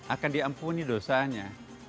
akan diampuni dosanya